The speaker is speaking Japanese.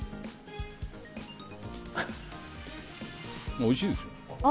おいしいですよ。